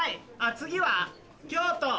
次は京都。